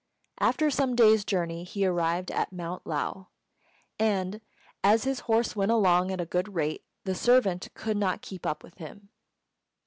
After some days' journey he arrived at Mount Lao; and, as his horse went along at a good rate, the servant could not keep up with him.